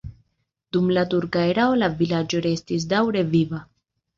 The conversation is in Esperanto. Dum la turka erao la vilaĝo restis daŭre viva.